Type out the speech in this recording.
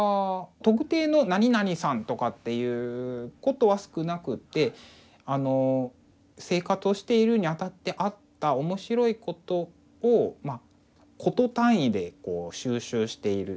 特定の「何々さん」とかっていうことは少なくって生活をしているにあたってあった面白いことを「コト単位」で収集している。